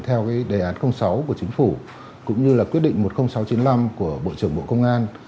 theo đề án sáu của chính phủ cũng như là quyết định một mươi nghìn sáu trăm chín mươi năm của bộ trưởng bộ công an